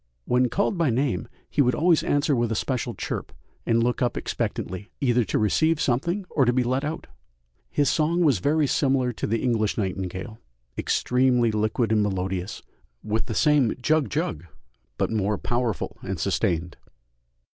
When called by name he would always answer with a special chirp and look up expectantly, either to receive something or to be let out. His song was very similar to the English nightingale, extremely liquid and melodious, with the same "jug jug," but more powerful and sustained.